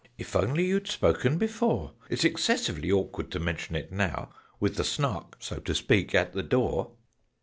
"If only you'd spoken before! It's excessively awkward to mention it now, With the Snark, so to speak, at the door!